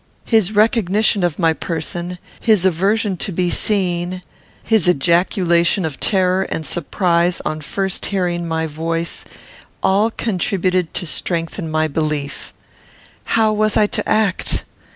His recognition of my person, his aversion to be seen, his ejaculation of terror and surprise on first hearing my voice, all contributed to strengthen my belief. How was I to act?